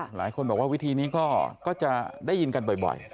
หลายคนบอกว่าวิธีนี้ก็จะได้ยินกันบ่อย